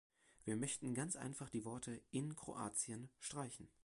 Wir möchten ganz einfach die Worte "in Kroatien" streichen.